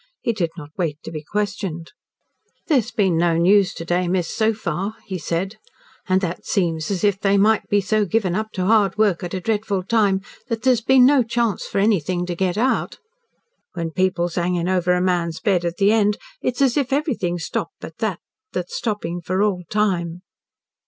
He did not wait to be questioned. "There's been no news to day, miss, so far," he said. "And that seems as if they might be so given up to hard work at a dreadful time that there's been no chance for anything to get out. When people's hanging over a man's bed at the end, it's as if everything stopped but that that's stopping for all time."